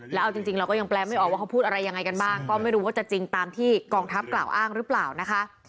แล้วเอาจริงเราก็ยังแปลไม่ออกว่าเขาพูดอะไรยังไงกันบ้างก็ไม่รู้ว่าจะจริงตามที่กองทัพกล่าวอ้างหรือเปล่านะคะ